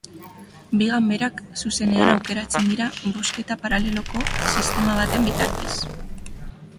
Bi ganberak zuzenean aukeratzen dira bozketa paraleloko sistema baten bitartez.